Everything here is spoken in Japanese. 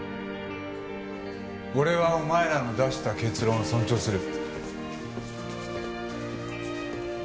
俺はお前らの出した結論を尊重する。